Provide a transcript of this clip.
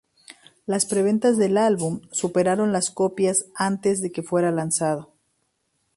Las preventas del álbum superaron las copias antes de que fuera lanzado.